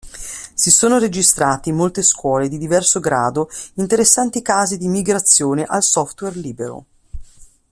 Si sono registrati in molte scuole di diverso grado interessanti casi di migrazione al software libero.